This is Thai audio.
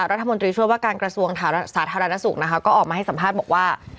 รัฐมนตรีช่วยว่าการกระทรวงสาธารณสุขนะคะก็ออกมาให้สัมภาษณ์บอกว่า